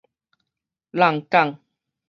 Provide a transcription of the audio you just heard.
閬港